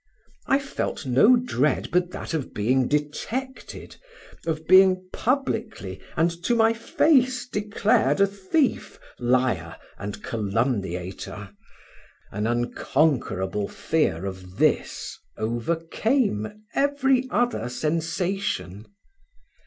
I felt no dread but that of being detected, of being publicly, and to my face, declared a thief, liar, and calumniator; an unconquerable fear of this overcame every other sensation.